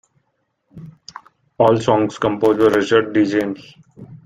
All songs composed by Richard D. James.